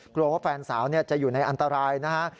กลัวว่าแฟนสาวจะอยู่ในอันตรายนะฮะ